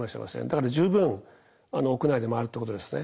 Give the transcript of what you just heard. だから十分屋内で回るってことですね。